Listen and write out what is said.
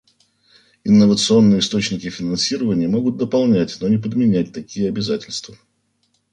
Инновационные источники финансирования могут дополнять, но не подменять такие обязательства.